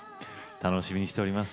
楽しみにしております。